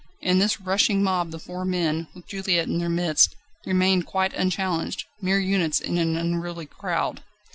In this rushing mob the four men, with Juliette in their midst, remained quite unchallenged, mere units in an unruly crowd.